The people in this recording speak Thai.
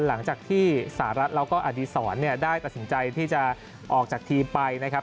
หลังจากที่สหรัฐแล้วก็อดีศรเนี่ยได้ตัดสินใจที่จะออกจากทีมไปนะครับ